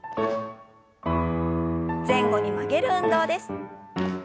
前後に曲げる運動です。